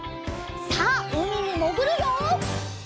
さあうみにもぐるよ！